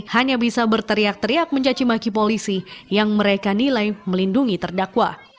hanya bisa berteriak teriak mencacimaki polisi yang mereka nilai melindungi terdakwa